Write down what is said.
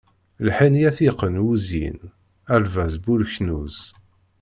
Lḥenni ad t-yeqqen wuzyin, a lbaz bu leknuz.